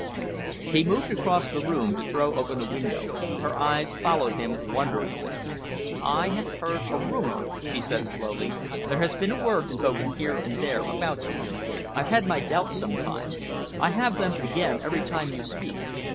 He moved across the room to throw open a window. Her eyes followed him wonderingly. "I have heard a rumour," she said slowly; "there has been a word spoken here and there about you. I've had my doubts sometimes. I have them again every time you speak.